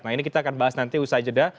nah ini kita akan bahas nanti usai jeda